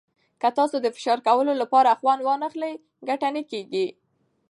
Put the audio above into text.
که تاسو د فشار کمولو لپاره خوند ونه واخلئ، ګټه نه کېږي.